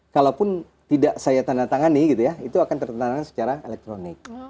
kalaupun tidak saya tanda tangan nih gitu ya itu akan tertandatangan secara elektronik